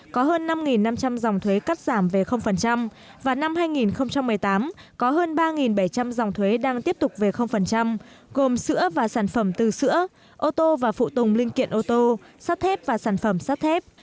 có hơn năm năm trăm linh dòng thuế cắt giảm về và năm hai nghìn một mươi tám có hơn ba bảy trăm linh dòng thuế đang tiếp tục về gồm sữa và sản phẩm từ sữa ô tô và phụ tùng linh kiện ô tô sắt thép và sản phẩm sắt thép